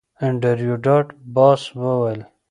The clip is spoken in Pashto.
انډریو ډاټ باس وویل